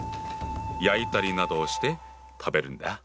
焼いたりなどをして食べるんだ。